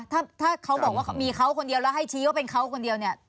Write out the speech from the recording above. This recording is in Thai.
ถ้าเขาบอกว่ามีเขาคนเดียวแล้วให้ชี้ว่าเป็นเขาคนเดียวเนี่ย